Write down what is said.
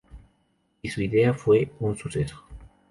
Y su idea fue un suceso.